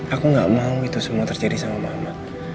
aku ga mau itu semua terjadi sama mama